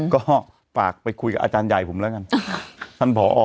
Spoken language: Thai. ก็ฝากไปคุยกับอาจารย์ใหญ่ผมแล้วกันท่านผอ